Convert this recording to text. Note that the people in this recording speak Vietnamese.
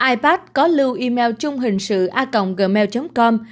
ipad có lưu email trung hình sự a gmail com